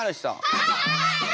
はい！